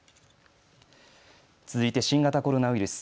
続いて新型コロナウイルス。